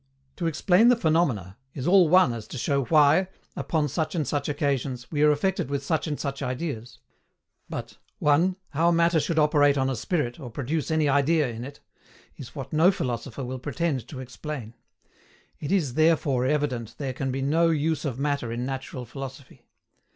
To explain the PHENOMENA, is all one as to show why, upon such and such occasions, we are affected with such and such ideas. But (1) how Matter should operate on a Spirit, or produce any idea in it, is what no philosopher will pretend to explain; it is therefore evident there can be no use of Matter in natural philosophy.